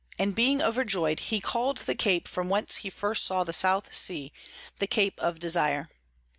and being overjoy'd, he call'd the Cape from whence he first saw the South Sea the Cape of Desire.